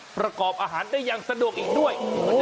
ประกอบอาหารได้อย่างสะดวกอีกด้วย